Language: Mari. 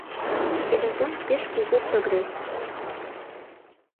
Телефон — пеш кугу прогресс.